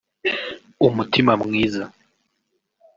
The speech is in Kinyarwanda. umutima mwiza